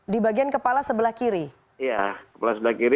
di bagian kepala sebelah kiri